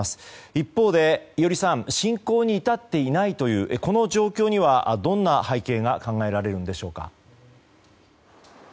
一方で伊従さん侵攻に至っていないというこの状況には、どんな背景が考えられるでしょうか。